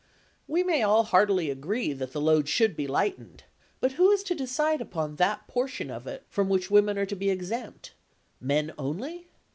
We may all heartily agree that the load should be lightened, but who is to decide upon that portion of it from which women are to be exempt? Men only?